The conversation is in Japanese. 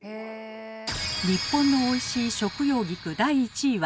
日本のおいしい食用菊第１位は。